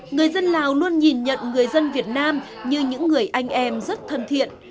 người dân lào luôn nhìn nhận người dân việt nam như những người anh em rất thân thiện